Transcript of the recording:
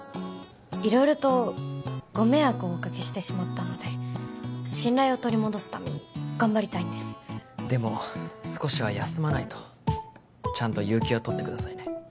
色々とご迷惑をおかけしてしまったので信頼を取り戻すために頑張りたいんですでも少しは休まないとちゃんと有休は取ってくださいね